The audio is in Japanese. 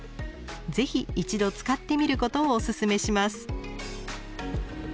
ぜひ一度使ってみることをおすすめします。